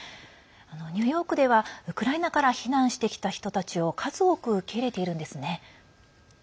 ニューヨークではウクライナから避難してきた人たちを数多く受け入れているんですね。